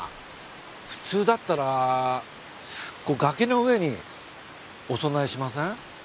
普通だったら崖の上にお供えしません？